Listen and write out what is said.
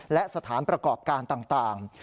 และสถานประกอบการต่าง